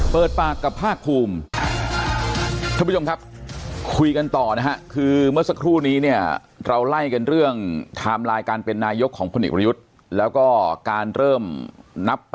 เปิดปากกับภาคภูมิท่าพุยมครับคุยกันต่อนะฮะคือเมื่อสักครู่